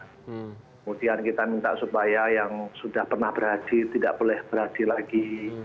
kemudian kita minta supaya yang sudah pernah berhaji tidak boleh berhaji lagi